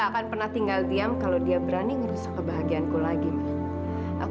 sampai jumpa di video selanjutnya